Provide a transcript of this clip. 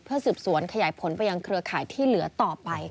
สืบสวนขยายผลไปยังเครือข่ายที่เหลือต่อไป